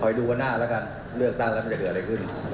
ดูวันหน้าแล้วกันเลือกตั้งแล้วมันจะเกิดอะไรขึ้น